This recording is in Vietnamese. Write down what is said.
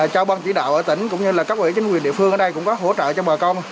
cho ban chỉ đạo ở tỉnh cũng như là cấp ủy chính quyền địa phương ở đây cũng có hỗ trợ cho bà con